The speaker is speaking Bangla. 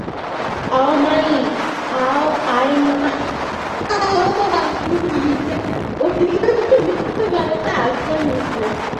আওয়ামী লীগের অধিকাংশ নেতা ভারতে আশ্রয় নিয়েছিলেন।